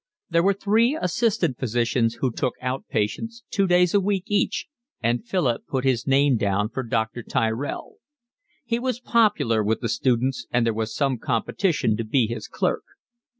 There were three assistant physicians who took out patients, two days a week each, and Philip put his name down for Dr. Tyrell. He was popular with the students, and there was some competition to be his clerk.